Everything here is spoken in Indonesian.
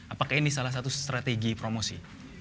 apakah ini salah satu strategi promosi